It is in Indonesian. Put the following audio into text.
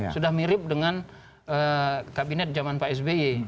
sudah mirip dengan kabinet zaman pak sby